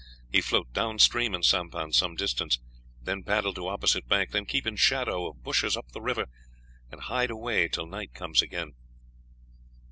He float down stream in sampan some distance, then paddle to opposite bank, then keep in shadow of bushes up the river, and hide away till night comes again."